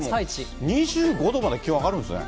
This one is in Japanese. まだでも２５度まで気温上がるんですね。